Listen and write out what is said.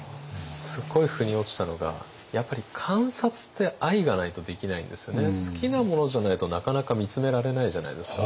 すっごいふに落ちたのがやっぱり好きなものじゃないとなかなか見つめられないじゃないですか。